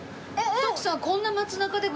徳さん。